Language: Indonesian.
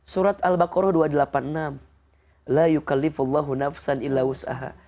surat al baqarah dua ratus delapan puluh enam